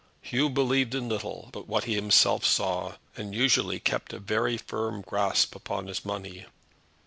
Hugh believed in little but what he himself saw, and usually kept a very firm grasp upon his money.